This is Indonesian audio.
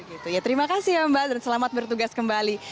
oh begitu ya terima kasih ya mbak dan selamat bertugas kembali